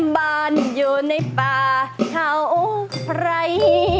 บานอยู่ในปลาเท้าไฟ